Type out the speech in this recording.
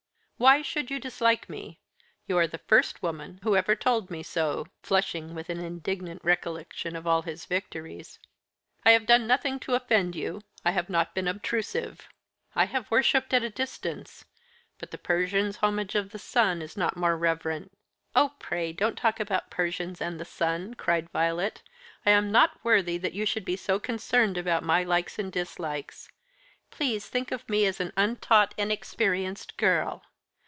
Why should you dislike me? You are the first woman who ever told me so" (flushing with an indignant recollection of all his victories). "I have done nothing to offend you. I have not been obtrusive. I have worshipped at a distance but the Persian's homage of the sun is not more reverent " "Oh, pray don't talk about Persians and the sun," cried Violet. "I am not worthy that you should be so concerned about my likes and dislikes. Please think of me as an untaught inexperienced girl.